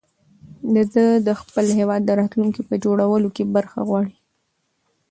ده د خپل هېواد د راتلونکي په جوړولو کې برخه غواړي.